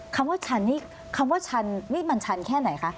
คำว่าชันนี่คำว่าชันนี่มันชันแค่ไหนคะ